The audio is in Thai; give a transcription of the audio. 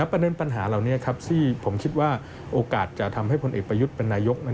ปัญหาเหล่านี้ที่ผมคิดว่าโอกาสจะทำให้พลเอกประยุทธ์เป็นนายก